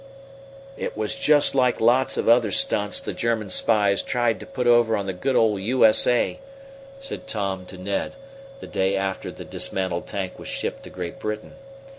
"It was just like lots of other stunts the German spies tried to put over on the good old U.S.A.," said Tom to Ned, the day after the dismantled tank was shipped to Great Britain.